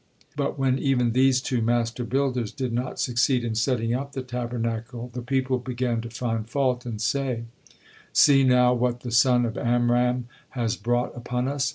But when even these two master builders did not succeed in setting up the Tabernacle, the people began to find fault, and say: "See now what the son of Amram has brought upon us.